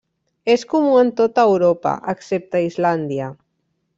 És comú en tota Europa, excepte Islàndia.